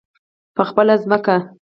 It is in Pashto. په خپله ځمکه.